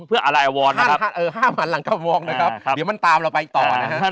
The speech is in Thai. เพื่ออะไรอวรห้ามหันหลังกระวองนะครับเดี๋ยวมันตามเราไปต่อนะครับ